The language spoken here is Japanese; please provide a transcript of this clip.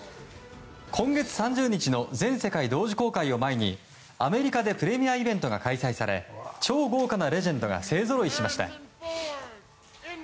今月３０日の全世界同時公開を前にアメリカでプレミアイベントが開催され超豪華なレジェンドが勢ぞろいしました。